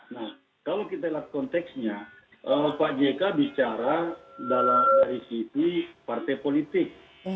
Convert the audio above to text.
nah kalau kita lihat konteksnya pak jk bicara dari sisi partai politik